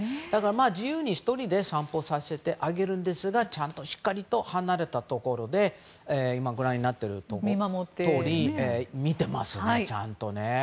自由に１人で散歩させてあげるんですがちゃんとしっかりと離れたところで今、ご覧になっているとおり見てますね、ちゃんとね。